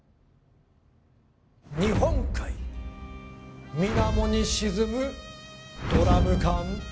日本海水面に沈むドラム缶。